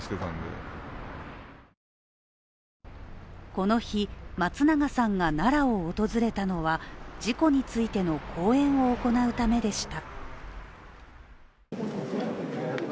この日、松永さんが奈良を訪れたのは事故についての講演を行うためでした。